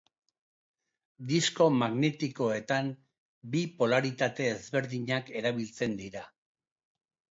Disko magnetikoetan, bi polaritate ezberdinak erabiltzen dira.